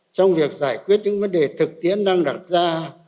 trong việc giải quyết những vấn đề thực tiễn đang đặt ra